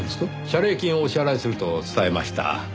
謝礼金をお支払いすると伝えました。